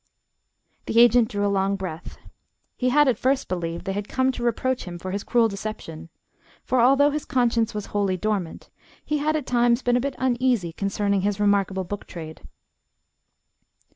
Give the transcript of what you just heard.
The agent drew a long breath. He had at first believed they had come to reproach him for his cruel deception; for although his conscience was wholly dormant, he had at times been a bit uneasy concerning his remarkable book trade.